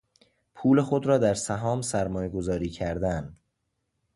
پول خود را در سهام سرمایه گذاری کردن